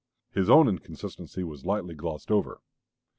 His own inconsistency was lightly glossed over.